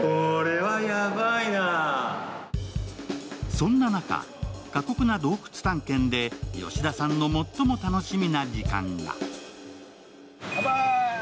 そんな中、過酷な洞窟探検で吉田さんの最も楽しみな時間が。